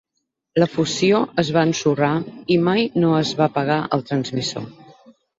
La fusió es va ensorrar, i mai no es va pagar el transmissor.